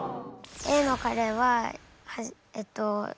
Ａのカレーはえっと